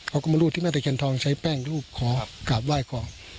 เขาก็มารูปที่แม่ตะเคียนทองใช้แป้งรูปขอกราบไหว้ก่อน